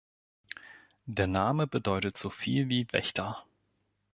Der Name bedeutet so viel wie „Wächter“.